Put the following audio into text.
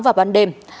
vào ban đêm